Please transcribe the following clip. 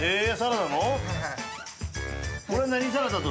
サラダも！